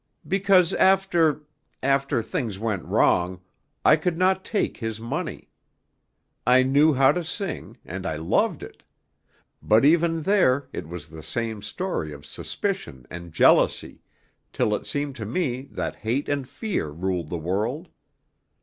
"Because after after things went wrong, I could not take his money. I knew how to sing, and I loved it; but even there it was the same story of suspicion and jealousy, till it seemed to me that hate and fear ruled the world.